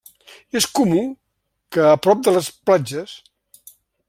És comú que a prop de les platges.